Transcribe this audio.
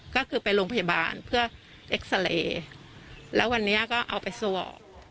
ก็คือไปโรงพยาบาลเพื่อเอ็กซาเรย์แล้ววันนี้ก็เอาไปสวอป